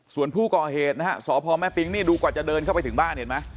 ส่วนผู้ก่อเหตุนะฮะสพแม่ปิ๊งนี่ดูกว่าจะเดินเข้าไปถึงบ้านเห็นไหม